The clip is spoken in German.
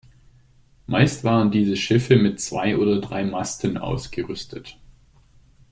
Meist waren diese Schiffe mit zwei oder drei Masten ausgerüstet.